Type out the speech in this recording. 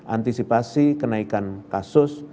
antisipasi kenaikan kasus